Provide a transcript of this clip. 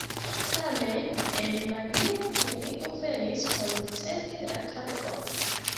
Tamen en Manilo neniu venis por ricevi la kargon.